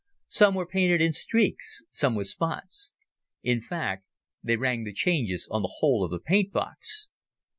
Some were painted in streaks, some with spots. In fact, they rang the changes on the whole of the paint box.